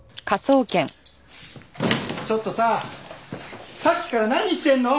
ちょっとささっきから何してんの？